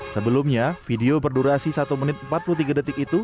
sebelumnya video berdurasi satu menit empat puluh tiga detik itu